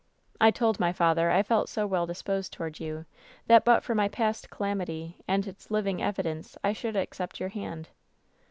"I told my father I felt so well disposed toward yon, that but for my past calamity and its living evidence I should accept your hand.